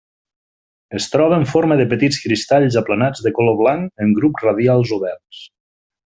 Es troba en forma de petits cristalls aplanats de color blanc en grups radials oberts.